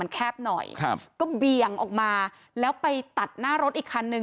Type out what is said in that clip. แคบหน่อยครับก็เบี่ยงออกมาแล้วไปตัดหน้ารถอีกคันนึง